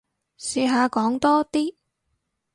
試下講多啲